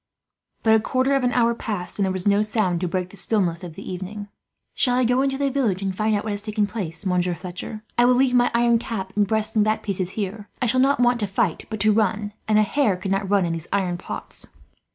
But a quarter of an hour passed, and there was no sound to break the stillness of the evening. "Shall I go into the village and find out what has taken place, Monsieur Fletcher? I will leave my iron cap and breast and back pieces here. I shall not want to fight but to run, and a hare could not run in these iron pots."